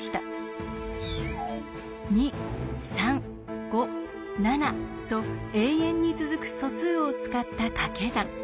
２３５７と永遠に続く素数を使った掛け算。